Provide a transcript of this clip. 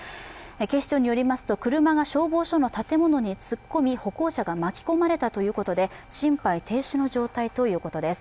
警視庁によりますと車が消防署の建物に突っ込み、歩行者が巻き込まれたということで心肺停止の状態ということです。